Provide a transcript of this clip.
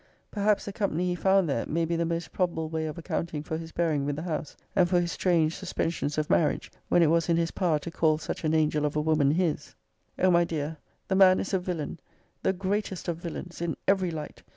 >>> Perhaps the company he found there, may be the most probable way of accounting for his bearing with the house, and for his strange suspensions of marriage, when it was in his power to call such an angel of a woman his. >>> O my dear, the man is a villain! the greatest of villains, in every light!